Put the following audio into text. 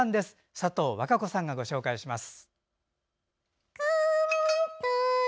佐藤わか子さんがご紹介します。